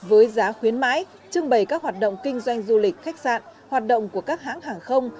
với giá khuyến mãi trưng bày các hoạt động kinh doanh du lịch khách sạn hoạt động của các hãng hàng không